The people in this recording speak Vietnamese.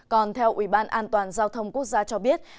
còn theo ubnd giao thông quốc gia cho biết